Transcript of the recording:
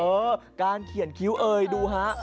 เออการเขียนคิ้วเอยดูฮะ